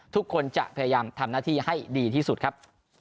ทุกคนจะพยายามทำหน้าที่ให้ดีที่สุดครับ